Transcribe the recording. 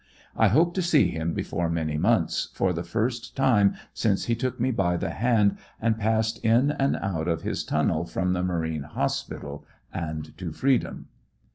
I hope to see him before many months, for the first time since he shook me by the hand and passed in and out of his tunnel from the Marine Hospital and to freedom.